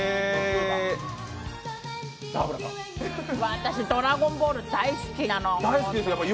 私ドラゴンボール、大好きなの。